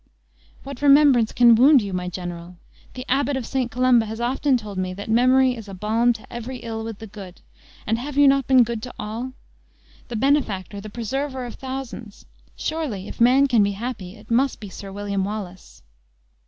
"What remembrance can wound you, my general? The Abbott of St. Colomba has often told me that memory is a balm to every ill with the good; and have not you been good to all? The benefactor, the preserver of thousands! Surely, if man can be happy, it must be Sir William Wallace!"